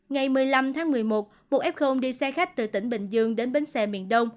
ngày một mươi năm tháng một mươi một một f đi xe khách từ tỉnh bình dương đến bến xe miền đông